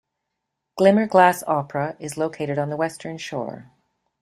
Glimmerglass Opera is located on the western shore.